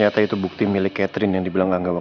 tidak ada yang bisa dipercaya